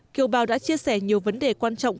kiều bào đã chia sẻ nhiều vấn đề quan trọng